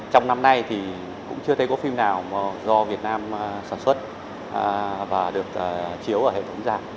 trong năm nay thì cũng chưa thấy có phim nào do việt nam sản xuất và được chiếu ở hệ thống giả